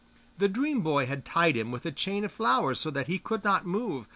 The dream boy had tied him with a chain of flowers, so that he could not move.